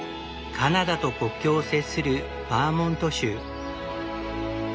カナダと国境を接するバーモント州。